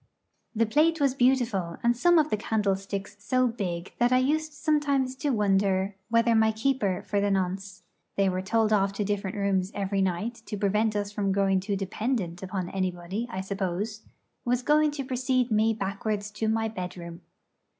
The plate was beautiful; and some of the candlesticks so big that I used sometimes to wonder whether my keeper for the nonce they were told off to different rooms every night, to prevent us from growing too dependent upon anybody, I suppose was going to precede me backwards to my bedroom.